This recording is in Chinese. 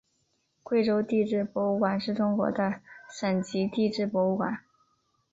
贵州地质博物馆是中国的省级地质博物馆。